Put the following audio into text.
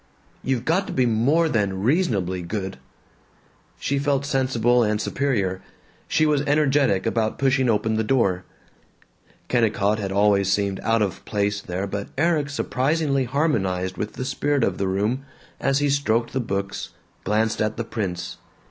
"You've got to be more than reasonably good!" She felt sensible and superior; she was energetic about pushing open the door. Kennicott had always seemed out of place there but Erik surprisingly harmonized with the spirit of the room as he stroked the books, glanced at the prints.